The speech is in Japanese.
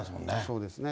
そうですね。